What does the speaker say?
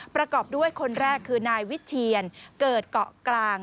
ประกอบด้วยคนแรกคือนายวิเชียนเกิดเกาะกลาง